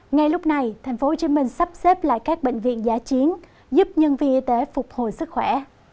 ngay lúc này tp hcm sắp xếp lại các bệnh viện giá chiến giúp nhân viên y tế phục hồi sức khỏe